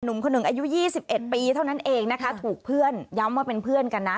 คนหนึ่งอายุ๒๑ปีเท่านั้นเองนะคะถูกเพื่อนย้ำว่าเป็นเพื่อนกันนะ